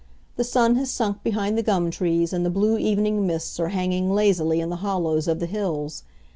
The sun has sunk behind the gum trees, and the blue evening mists are hanging lazily in the hollows of the hills.